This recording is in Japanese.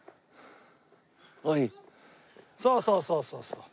そうそうそうそうそう。